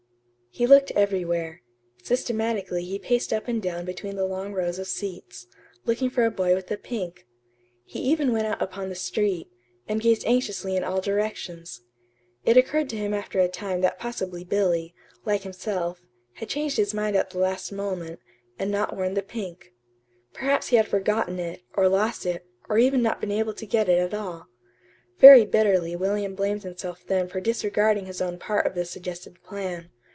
He looked everywhere. Systematically he paced up and down between the long rows of seats, looking for a boy with a pink. He even went out upon the street, and gazed anxiously in all directions. It occurred to him after a time that possibly Billy, like himself, had changed his mind at the last moment, and not worn the pink. Perhaps he had forgotten it, or lost it, or even not been able to get it at all. Very bitterly William blamed himself then for disregarding his own part of the suggested plan.